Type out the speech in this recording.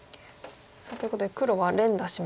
ということで黒は連打しましたね上辺。